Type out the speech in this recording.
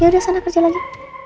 yaudah sana kerja lagi